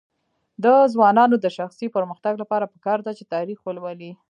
د ځوانانو د شخصي پرمختګ لپاره پکار ده چې تاریخ ولولي.